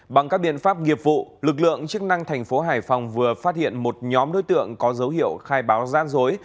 bằng các biện pháp nghiệp vụ lực lượng chức năng thành phố hải phòng vừa phát hiện một nhóm đối tượng có dấu hiệu khai báo gian dối